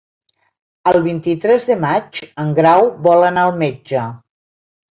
El vint-i-tres de maig en Grau vol anar al metge.